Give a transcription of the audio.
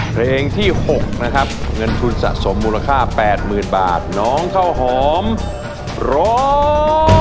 เพลงที่๖นะครับเงินทุนสะสมมูลค่า๘๐๐๐บาทน้องข้าวหอมร้อง